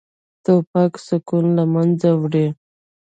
توپک سکون له منځه وړي.